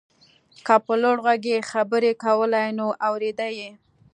که په لوړ غږ يې خبرې کولای نو اورېده يې.